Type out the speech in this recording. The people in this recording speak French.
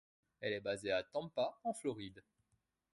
Elle est basée à Tampa en Floride.